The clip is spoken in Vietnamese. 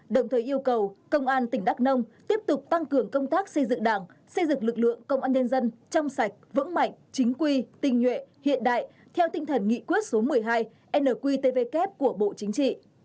đồng thời yêu cầu công an tỉnh đắk nông tiếp tục tăng cường công tác xây dựng đảng xây dựng lực lượng công an nhân dân trong sạch vững mạnh chính quy tinh nhuệ hiện đại theo tinh thần nghị quyết số một mươi hai nqtvk của bộ chính trị